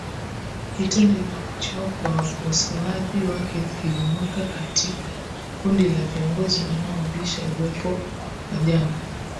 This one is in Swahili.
Kitendo hicho kwa wakosoaji wake kilimweka katika kundi la viongozi wanaobisha uwepo wa janga